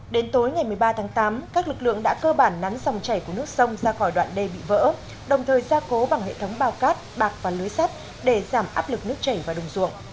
đến tối ngày một mươi ba tháng tám các lực lượng đã cơ bản nắn dòng chảy của nước sông ra khỏi đoạn đê bị vỡ đồng thời ra cố bằng hệ thống bao cát bạc và lưới sắt để giảm áp lực nước chảy vào đồng ruộng